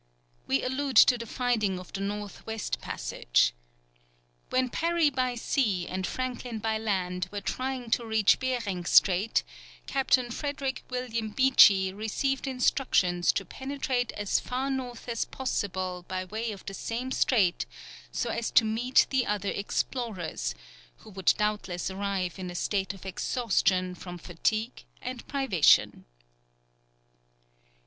We allude to the finding of the north west passage. When Parry by sea and Franklin by land were trying to reach Behring Strait, Captain Frederick William Beechey received instructions to penetrate as far north as possible by way of the same strait so as to meet the other explorers, who would doubtless arrive in a state of exhaustion from fatigue and privation.